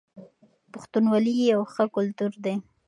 پښتونولي يو ښه کلتور دی.